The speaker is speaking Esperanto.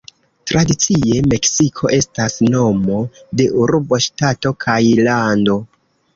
Tradicie, "Meksiko" estas nomo de urbo, ŝtato, kaj lando.